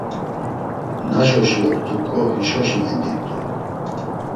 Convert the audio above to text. Naşoşi oktuǩo hişoşi mendit̆u.